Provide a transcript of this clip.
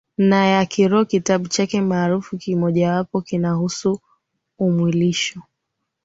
na ya Kiroho Kitabu chake maarufu kimojawapo kinahusu umwilisho